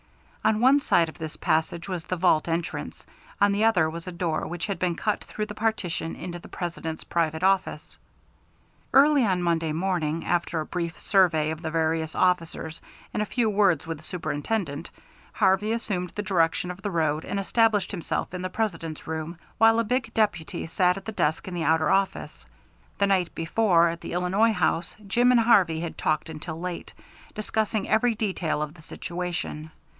On one side of this passage was the vault entrance, on the other was a door which had been cut through the partition into the President's private office. Early on Monday morning, after a brief survey of the various officers and a few words with the Superintendent, Harvey assumed the direction of the road and established himself in the President's room, while a big deputy sat at the desk in the outer office. The night before, at the Illinois House, Jim and Harvey had talked until late, discussing every detail of the situation.